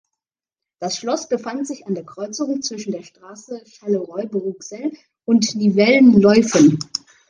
Das Schloss befand sich an der Kreuzung zwischen der Straße Charleroi-Bruxelles und Nivelles-Leuven.